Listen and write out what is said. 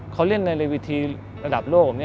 เขาเล่นในวิธีระดับโลก